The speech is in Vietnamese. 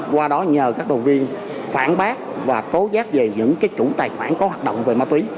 qua đó nhờ các đồng viên phản bác và tố giác về những chủ tài khoản có hoạt động về ma túy